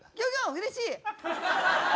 うれしい！